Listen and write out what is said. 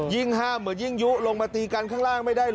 ห้ามเหมือนยิ่งยุลงมาตีกันข้างล่างไม่ได้เหรอ